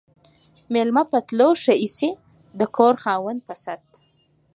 ميلمه په تلو ښه ايسي ، د کور خاوند په ست.